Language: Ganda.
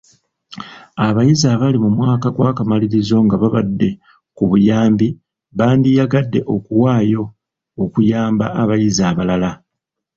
Abayizi abali mu mwaka gw'akamalirizo nga babadde ku buyambi bandiyagadde okuwaayo okuyamba abayizi abalala.